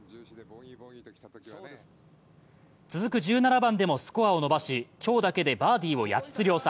続く１７番でもスコアを伸ばし、今日だけでバーディーを８つ量産。